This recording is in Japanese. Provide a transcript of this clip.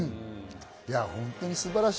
本当に素晴らしい。